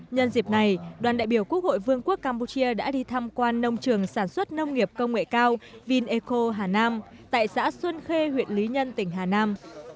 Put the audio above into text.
nhân dịp này đoàn đại biểu quốc hội vương quốc campuchia đã đi thăm quan nông trường sản xuất nông nghiệp công nghệ cao vineco hà nam tại xã xuân khê huyện lý nhân tỉnh hà nam